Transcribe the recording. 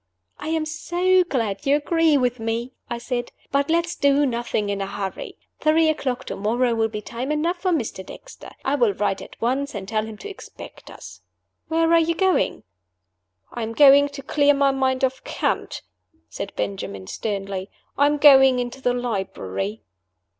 "I am so glad you agree with me," I said. "But let us do nothing in a hurry. Three o'clock to morrow will be time enough for Mr. Dexter. I will write at once and tell him to expect us. Where are you going?" "I am going to clear my mind of cant," said Benjamin, sternly. "I am going into the library."